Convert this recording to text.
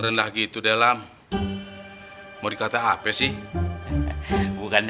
kalo gitu kita segera berubah rody